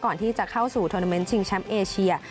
ก่อนที่จะเข้าสู่โทรนาเมนต์ชิงแชมป์เอเชีย